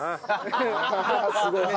すごい！